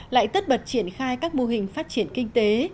lại tất bật triển khai các mô hình phát triển kinh tế